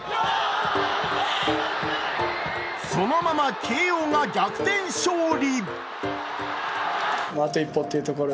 そのまま慶応が逆転勝利。